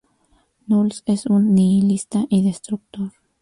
Null es un nihilista y destructor.